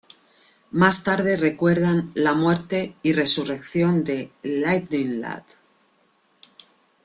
Más tarde recuerdan la muerte y resurrección de Lightning Lad.